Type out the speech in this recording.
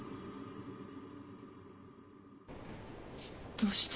どうして？